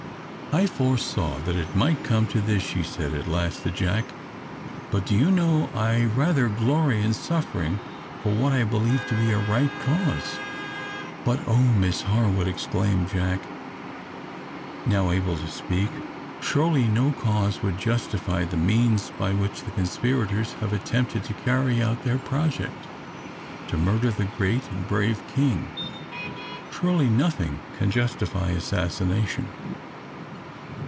"I foresaw that it might come to this," she said, at last, to Jack. "But, do you know, I rather glory in suffering for what I believe to be a right cause!" "But oh, Miss Harwood," exclaimed Jack, now able to speak, "surely no cause would justify the means by which the conspirators have attempted to carry out their project to murder the great and brave king! Surely nothing can justify assassination!"